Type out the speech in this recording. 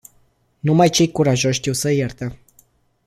Numai cei curajoși știu să ierte.